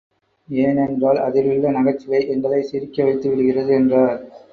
ஏனென்னறால் அதிலுள்ள நகைச்சுவை எங்களைச் சிரிக்க வைத்து விடுகிறது. என்றார்.